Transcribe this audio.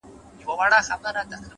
مثبت لید د ستونزو شدت کموي؛